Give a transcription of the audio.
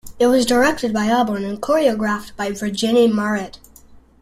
It was directed by Aborn and choreographed by Virginie Mauret.